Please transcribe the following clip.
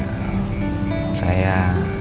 balik ke kamar